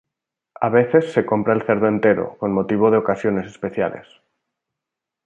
A veces se compra el cerdo entero con motivo de ocasiones especiales.